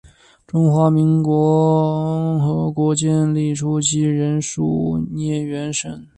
中华人民共和国建立初期仍属绥远省。